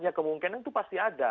ya kemungkinan itu pasti ada